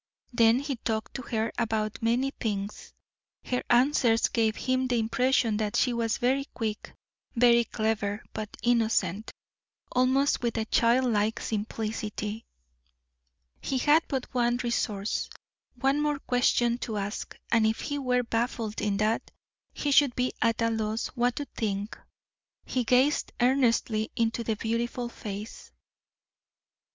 Then he talked to her about many things. Her answers gave him the impression that she was very quick, very clever, but innocent, almost with a child like simplicity. He had but one resource, one more question to ask, and if he were baffled in that, he should be at a loss what to think. He gazed earnestly into the beautiful face.